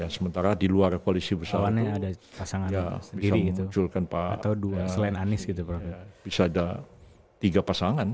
sementara di luar koalisi besar itu bisa munculkan tiga pasangan